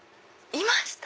いました！